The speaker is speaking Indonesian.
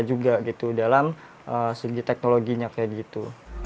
itu juga dalam segi teknologinya kayak gitu